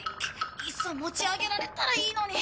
いっそ持ち上げられたらいいのに。